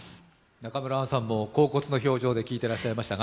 中村アンさんも恍惚の表情で聴いていらっしゃいましたが。